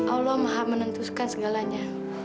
allah maha menentukan segalanya